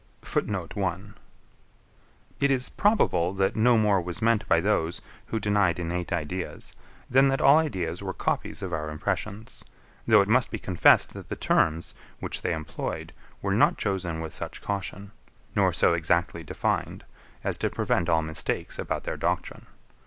It is probable that no more was meant by those, who denied innate ideas, than that all ideas were copies of our impressions; though it must be confessed, that the terms, which they employed, were not chosen with such caution, nor so exactly defined, as to prevent all mistakes about their doctrine.